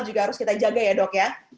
juga harus kita jaga ya dok ya